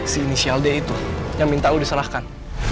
si ini sialde itu yang minta lu disalahkan